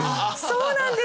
そうなんです。